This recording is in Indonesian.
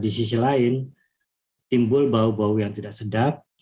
dan di sisi lain timbul bau bau yang tidak sedap